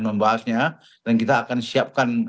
membahasnya dan kita akan siapkan